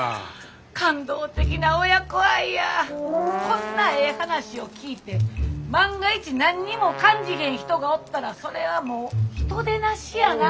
こんなええ話を聞いて万が一何にも感じへん人がおったらそれはもう人でなしやな。